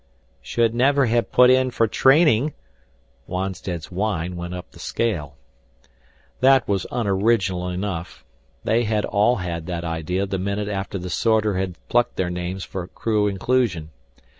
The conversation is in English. "Should never have put in for training " Wonstead's whine went up the scale. That was unoriginal enough. They had all had that idea the minute after the sorter had plucked their names for crew inclusion.